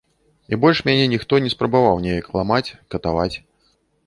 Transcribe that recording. І больш мяне ніхто не спрабаваў неяк ламаць, катаваць.